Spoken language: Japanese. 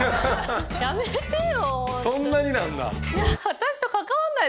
そんなになんだ？